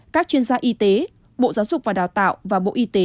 các chuyên gia y tế bộ giáo dục và đào tạo và bộ y tế